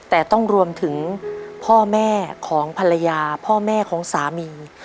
แต่ต้องรวมถึงพ่อแม่ของภรรยาพ่อแม่ของสามี